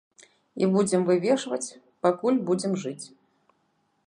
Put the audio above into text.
І будзем вывешваць, пакуль будзем жыць.